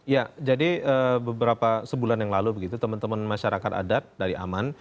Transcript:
ya jadi beberapa sebulan yang lalu begitu teman teman masyarakat adat dari aman